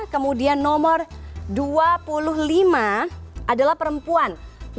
kemudian nomor dua puluh lima adalah perempuan